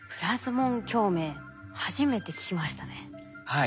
はい。